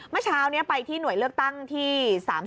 เมื่อเช้านี้ไปที่หน่วยเลือกตั้งที่๓๔